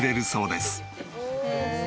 へえ。